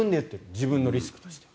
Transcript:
自分のリスクとして。